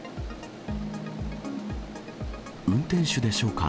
運転手でしょうか。